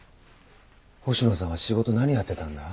星野さんは仕事何やってたんだ？